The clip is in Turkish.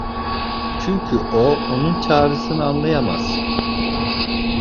Çünkü o, onun çağrısını anlayamaz…